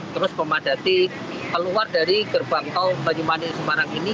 terus memadati keluar dari gerbang tol banyumanik semarang ini